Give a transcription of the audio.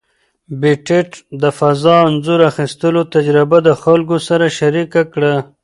پېټټ د فضا انځور اخیستلو تجربه د خلکو سره شریکه کړه.